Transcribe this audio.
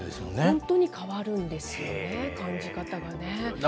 本当に変わるんですよね、感じ方がね。